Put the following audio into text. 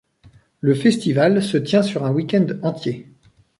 Le festival se tient sur un week-end entier.